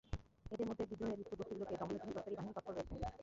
এদের মধ্যে বিদ্রোহে লিপ্ত গোষ্ঠীগুলোকে দমনের জন্য সরকারি বাহিনী তৎপর রয়েছে।